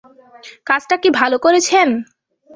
কাজটা কি ভালো করেছেন?